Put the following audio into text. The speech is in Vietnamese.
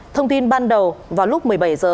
thông tin ban đầu vào lúc một mươi bảy h